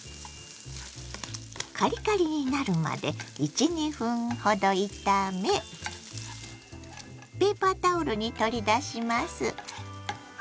カリカリになるまで１２分ほど炒めペーパータオルに取り出します。